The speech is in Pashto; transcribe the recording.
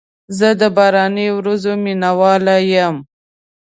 زه د باراني ورځو مینه وال یم.